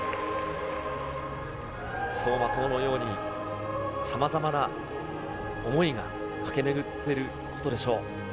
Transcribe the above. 走馬灯のように、さまざまな思いが駆け巡っていることでしょう。